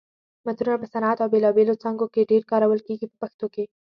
مترونه په صنعت او بېلابېلو څانګو کې ډېر کارول کېږي په پښتو کې.